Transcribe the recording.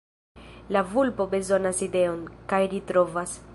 La vulpo bezonas ideon... kaj ri trovas!